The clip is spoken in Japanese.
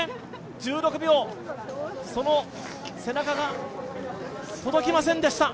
１６秒、その背中が届きませんでした。